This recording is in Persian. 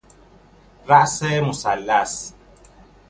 راس مثلث